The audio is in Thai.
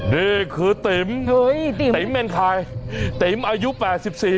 นี่คือติ๋มติ๋มเป็นใครติ๋มอายุ๘๔ปี